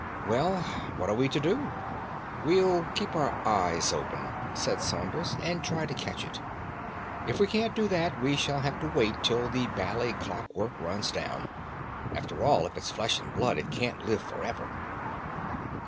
"Well, what are we to do?" "We'll keep our eyes open," said Saunders, "and try to catch it. If we can't do that, we shall have to wait till the bally clockwork runs down. After all, if it's flesh and blood, it can't live for ever."